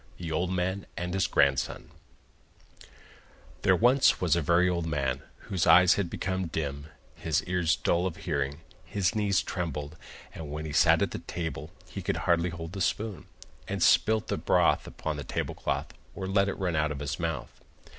THE OLD MAN AND HIS GRANDSON There was once a very old man, whose eyes had become dim, his ears dull of hearing, his knees trembled, and when he sat at table he could hardly hold the spoon, and spilt the broth upon the table cloth or let it run out of his mouth.